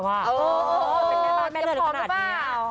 เออเป็นแม่บ้านแม่เหลือนขนาดนี้